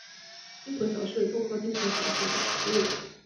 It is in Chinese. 丁癸草是豆科丁癸草属的植物。